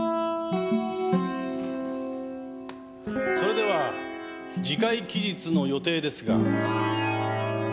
それでは次回期日の予定ですが。